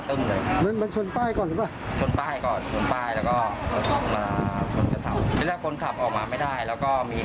แข่งกันมาแล้วพอเหมือนเสียหลักละพี่อืม